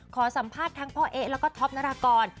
ขอสัมภาษณ์ทั้งพ่อเอ๊ะแล้วก็ท็อปนารากร